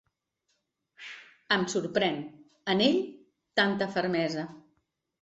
Em sorprèn, en ell, tanta fermesa.